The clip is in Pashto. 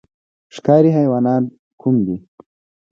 ښکاري حیوانات کوم دي؟